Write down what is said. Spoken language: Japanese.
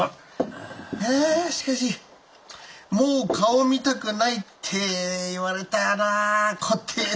しかし「もう顔見たくない」って言われたのはこてえたなぁ。